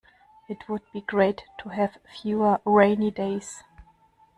It would be great to have fewer rainy days.